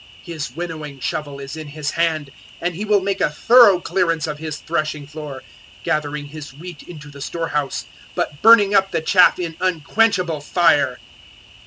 003:012 His winnowing shovel is in His hand, and He will make a thorough clearance of His threshing floor, gathering His wheat into the storehouse, but burning up the chaff in unquenchable fire."